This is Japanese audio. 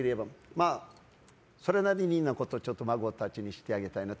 それなりのことを孫たちにはしてあげたいなと。